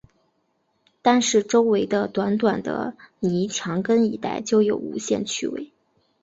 单是周围的短短的泥墙根一带，就有无限趣味